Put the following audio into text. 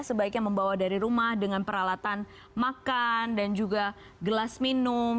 sebaiknya membawa dari rumah dengan peralatan makan dan juga gelas minum